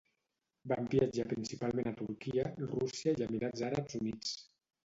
Van viatjar principalment a Turquia, Rússia i Emirats Àrabs Units.